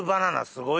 すごい！